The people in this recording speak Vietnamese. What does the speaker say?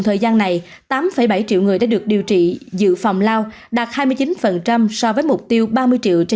thời gian này tám bảy triệu người đã được điều trị dự phòng lao đạt hai mươi chín so với mục tiêu ba mươi triệu trên